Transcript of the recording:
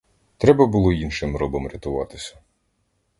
Треба було іншим робом рятуватися.